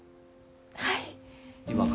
はい。